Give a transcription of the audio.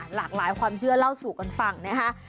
หลากหลายความเชื่อเล่าสู่กันฟังนะคะ